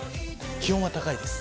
気温は高いです。